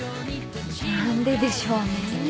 何ででしょうね。